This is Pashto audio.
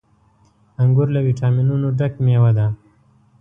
• انګور له ويټامينونو ډک مېوه ده.